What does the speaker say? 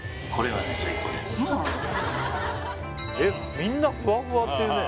みんなふわふわって言うね